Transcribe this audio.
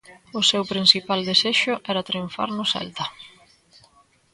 O seu principal desexo era triunfar no Celta.